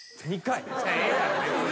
ええやん別に。